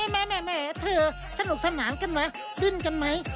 แม่เธอสนุกสนานกันไหมจิ้นกันไหม